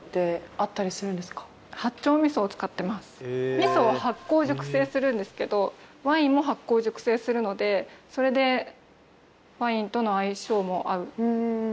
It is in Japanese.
味噌を発酵熟成するんですけどワインも発酵熟成するのでそれでワインとの相性も合う。